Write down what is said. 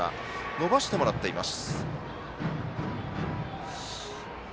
伸ばしてもらっています。